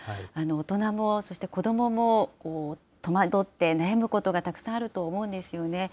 大人も、そして子どもも、戸惑って、悩むことがたくさんあると思うんですよね。